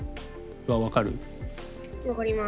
分かります。